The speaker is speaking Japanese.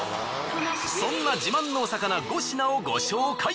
そんな自慢のお魚５品をご紹介。